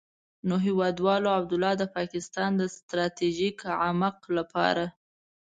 نو هېوادوالو، عبدالله د پاکستان د ستراتيژيک عمق لپاره.